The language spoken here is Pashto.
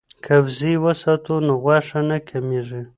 که وزې وساتو نو غوښه نه کمیږي.